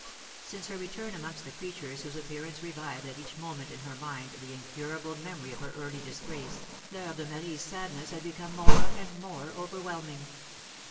Since her return amongst creatures whose appearance revived at each moment in her mind the incurable memory of her early disgrace, Fleur de Marie's sadness had become more and more overwhelming.